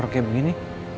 keluar kayak begini